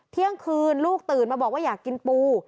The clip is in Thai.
เที่ยงคืนลูกตื่นมาบอกว่าอยากกินปู